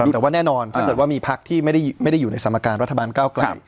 แต่ว่าแน่นอนถ้าเกิดว่ามีพักที่ไม่ได้อยู่ในสมการรัฐบาลก้าวไกล